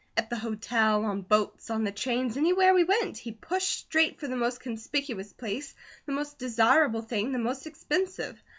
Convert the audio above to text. At the hotel, on boats, on the trains, anywhere we went, he pushed straight for the most conspicuous place, the most desirable thing, the most expensive.